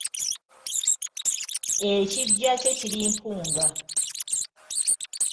Ekiggya kye kiri Mpunga.